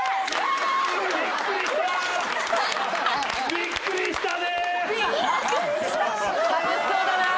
びっくりしたね。